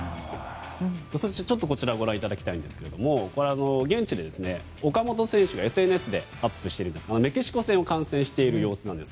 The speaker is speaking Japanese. こちらご覧いただきたいんですが現地で岡本選手がＳＮＳにアップしたものでメキシコ戦を観戦した様子です。